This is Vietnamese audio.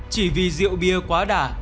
chỉ vì rượu bia quá đả